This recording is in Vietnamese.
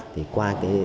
thì qua cái